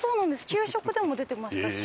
給食でも出てましたし。